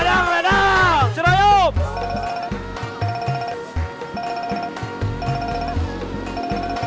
tidak tahu tidak tahu tidak tahu tidak tahu tiada penjajahnya